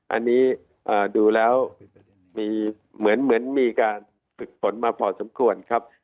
อันนี้ดูแล้วมีเหมือนมีการฝึกฝนมาพอสมควรครับ